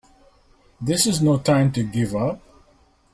This is no time to give up!